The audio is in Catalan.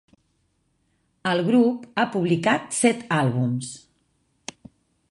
El grup ha publicat set àlbums.